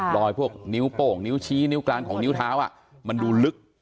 พวกนิ้วโป่งนิ้วชี้นิ้วกลางของนิ้วเท้ามันดูลึก